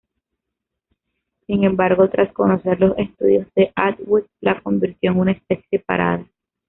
Sin embargo, tras conocer los estudios de Atwood la convirtió en una especie separada.